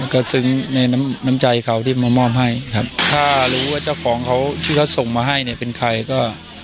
ก็ซึ้งในน้ำใจเขาที่มามอบให้ถ้ารู้ว่าเจ้าของเขาที่เค้าส่งมาให้เป็นใคร